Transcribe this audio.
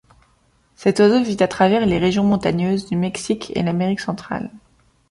Cet oiseau vit à travers les régions montagneuses du Mexique et l'Amérique centrale.